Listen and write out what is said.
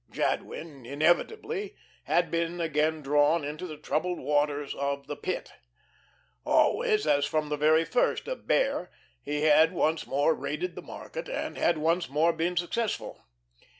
Jadwin, inevitably, had been again drawn into the troubled waters of the Pit. Always, as from the very first, a Bear, he had once more raided the market, and had once more been successful.